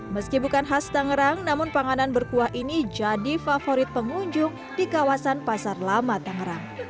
meski bukan khas tangerang namun panganan berkuah ini jadi favorit pengunjung di kawasan pasar lama tangerang